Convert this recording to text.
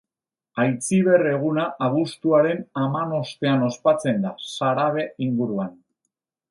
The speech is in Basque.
Aitziber eguna abuztuaren hamanostean ospatzen da Sarabe inguruan.